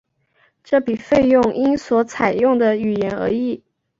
这笔费用因所采用的语言而异。